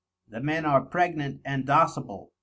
The Men are pregnant and docible.